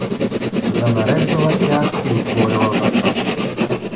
Занареждала тя и отворила вратата.